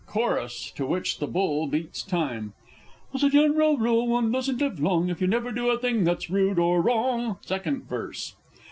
Chorus (to which the Bull beats time). As a general rule, one doesn't live long, If you never do a thing that's rude or wrong! _Second Verse.